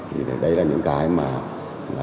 thì đấy là những cái mà